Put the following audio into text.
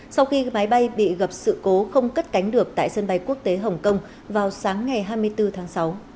sau khi máy bay bị gặp sự cố không cất cánh được tại sân bay quốc tế hồng kông vào sáng ngày hai mươi bốn tháng sáu